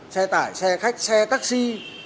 xe tải xe khách xe taxi